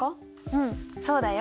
うんそうだよ。